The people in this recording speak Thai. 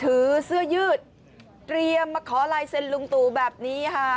เตรียมมาขอไลน์เซ็นลุงตูแบบนี้ค่ะ